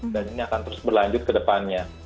dan ini akan terus berlanjut ke depannya